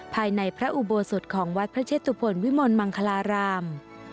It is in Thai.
ภายในพระอุโบสถของวัดพระเชตุพลวิมลมังคลาราม